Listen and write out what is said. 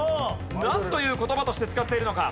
なんという言葉として使っているのか？